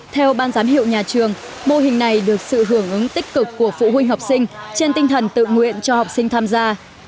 theo ban giám hiệu nhà trường mô hình này được sự hưởng ứng tích cực của phụ huynh học sinh trên tinh thần tự nguyện cho học sinh tham gia